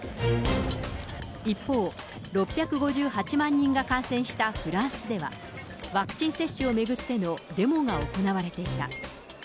一方、６５８万人が感染したフランスでは、ワクチン接種を巡ってのデモが行われていた。